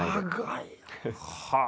はあ！